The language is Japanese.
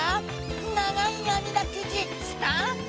ながいあみだくじスタート！